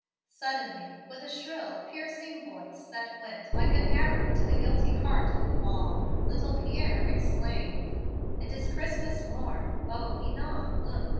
"Suddenly, with a shrill, piercing voice that went like an arrow to the guilty heart of Laval, little Pierre exclaimed, 'It is Christmas morn! O Ninon, look!